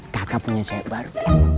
kakak punya cewek baru